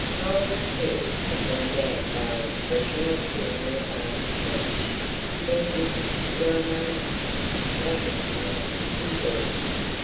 Molly, too, had been damped by an expression or two in her father's speech. "Mere visits of ceremony!" Was it so, indeed?